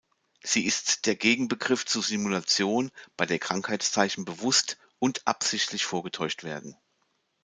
Sie ist der Gegenbegriff zur Simulation, bei der Krankheitszeichen bewusst und absichtlich vorgetäuscht werden.